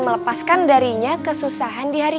melepaskan darinya kesusahan di hari